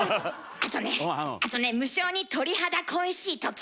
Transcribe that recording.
あとねあとね無性に鳥肌恋しいとき。